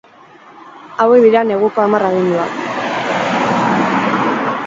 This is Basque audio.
Hauek dira neguko hamar aginduak.